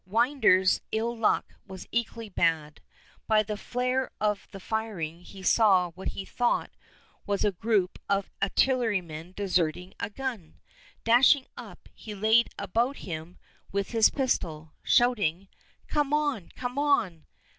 Winder's ill luck was equally bad. By the flare of the firing he saw what he thought was a group of artillerymen deserting a gun. Dashing up, he laid about him with his pistol, shouting, "Come on! come on!"